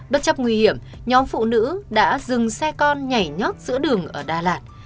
bất chấp nguy hiểm nhóm phụ nữ đã dừng xe con nhảy nhót giữa đường ở đà lạt